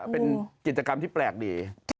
เป็นกิจกรรมที่แปลกดี